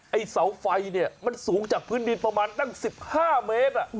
ไอ้เสาไฟนี่มันสูงจากพื้นดินประมาณ๑๕เมตร